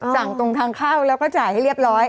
ตรงทางเข้าแล้วก็จ่ายให้เรียบร้อย